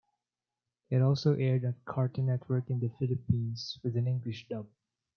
It also aired on Cartoon Network in the Philippines with an English dub.